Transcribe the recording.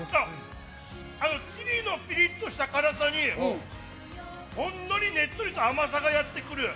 チリのピリッとした辛さにほんのりねっとりと甘さがやってくる。